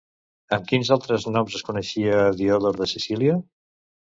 Amb quins altres noms es coneixia a Diodor de Sicília?